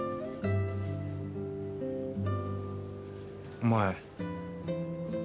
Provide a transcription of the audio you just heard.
お前。